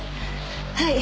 はい。